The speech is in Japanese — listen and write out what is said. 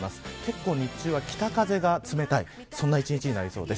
こっちは北風が冷たいそんな一日になりそうです。